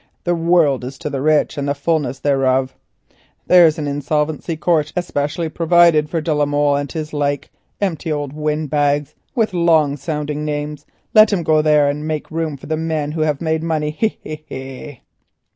The world is to the rich and the fulness thereof. There's an insolvency court especially provided for de la Molle and his like—empty old windbags with long sounding names; let him go there and make room for the men who have made money—hee! hee! hee!"